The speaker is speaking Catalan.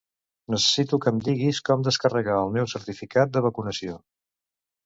Necessito que em diguis com descarregar el meu certificat de vacunació.